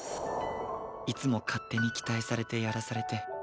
いつも勝手に期待されてやらされて。